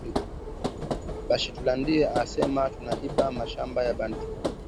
Bashitulandie asema tuna iba mashamba ya bantu